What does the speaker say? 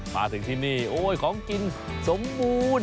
พาถึงที่นี่ของกินสมบูรณ์